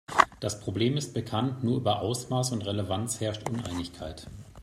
Das Problem ist bekannt, nur über Ausmaß und Relevanz herrscht Uneinigkeit.